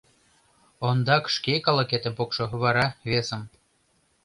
— Ондак шке калыкетым пукшо, вара — весым.